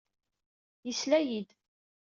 Yesla-iyi-d.